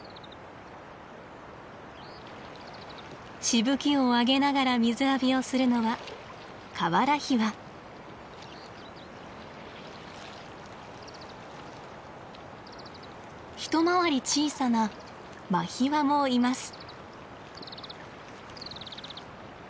しぶきを上げながら水浴びをするのは一回り小さなマヒワもいます。